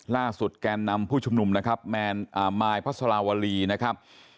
แกนนำผู้ชุมนุมนะครับแมนมายพระสลาวรีนะครับ